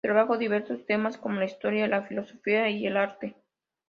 Trabajo diversos temas como la historia, la filosofía y el arte.